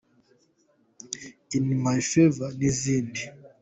in my favour’ n’izindi.